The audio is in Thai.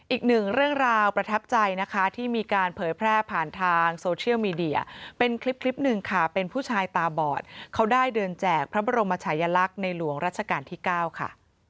อีกหนึ่งเรื่องราวประทับใจนะคะที่มีการเผยแพร่ผ่านทางโซเชียลมีเดียเป็นคลิปหนึ่งค่ะเป็นผู้ชายตาบอดเขาได้เดินแจกพระบรมชายลักษณ์ในหลวงรัชกาลที่๙ค่ะ